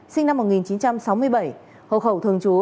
sinh năm một nghìn chín trăm sáu mươi bảy hộ khẩu thường trú